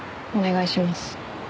お願いします。